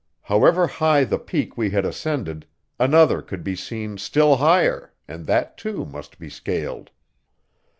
However high the peak we had ascended, another could be seen still higher, and that, too, must be scaled.